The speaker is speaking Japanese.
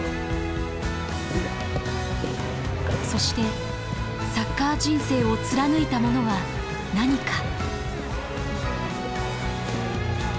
そしてサッカー人生を貫いたものは何か。